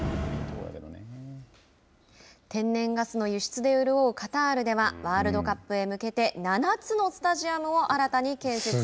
天然ガスの輸出で潤うカタールではワールドカップへ向けて７つのスタジアムを新たに建設。